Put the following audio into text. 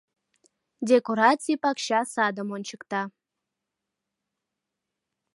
...Декораций пакча садым ончыкта.